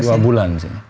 dua bulan sih